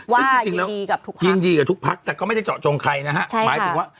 ว่ายืนดีกับทุกพักยืนดีกับทุกพักแต่ก็ไม่ได้เจาะจงใครนะฮะใช่ค่ะ